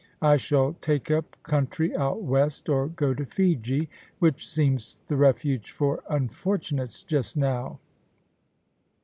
I shall take up country out west, or go to Fiji, which seems the refuge for unfortunates just now.'